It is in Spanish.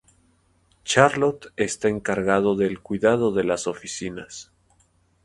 Charlot está encargado del cuidado de las oficinas.